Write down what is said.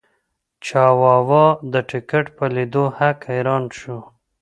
چاواوا د ټکټ په لیدو هک حیران شو.